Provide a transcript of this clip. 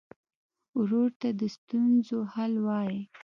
ورور ته د ستونزو حل وايي.